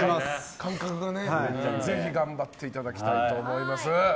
感覚がね、ぜひ頑張っていただきたいと思います。